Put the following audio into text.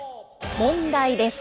問題です。